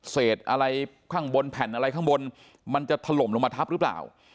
เศษอะไรข้างบนแผ่นอะไรข้างบนมันจะถล่มลงมาทับหรือเปล่า